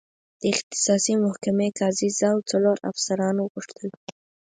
د اختصاصي محکمې قاضي زه او څلور افسران وغوښتل.